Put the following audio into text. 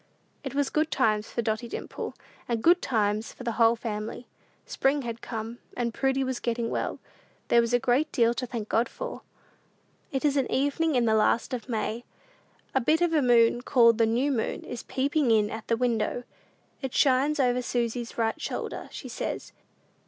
It was good times for Dotty Dimple, and good times for the whole family. Spring had come, and Prudy was getting well. There was a great deal to thank God for! It is an evening in the last of May. A bit of a moon, called "the new moon," is peeping in at the window. It shines over Susy's right shoulder, she says.